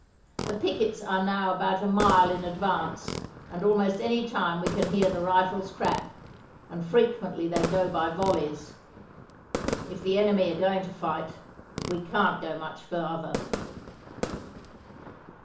The pickets are now about a mile in advance, and almost any time we can hear the rifles crack, and frequently they go by volleys. If the enemy are going to fight we can't go much farther.